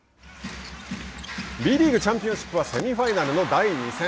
Ｂリーグ、チャンピオンシップはセミファイナルの第２戦。